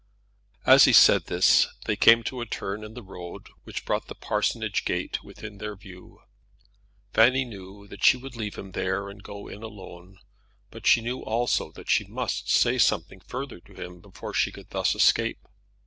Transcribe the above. As he said this they came to a turn in the road which brought the parsonage gate within their view. Fanny knew that she would leave him there and go in alone, but she knew also that she must say something further to him before she could thus escape.